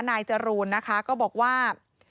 นายจรูนนะคะก็บอกว่า